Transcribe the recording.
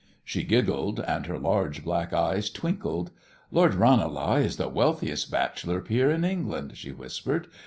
She giggled, and her large black eyes twinkled. "Lord Ranelagh is the wealthiest bachelor peer in England," she whispered.